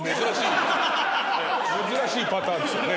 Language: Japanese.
珍しいパターンですよね